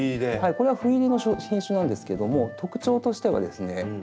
これは斑入りの品種なんですけども特徴としてはですね